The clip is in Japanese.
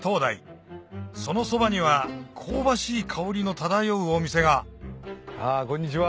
そのそばには香ばしい香りの漂うお店があこんにちは。